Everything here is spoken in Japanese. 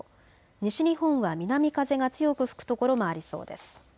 西日本は南風が強く吹く所もありそうです。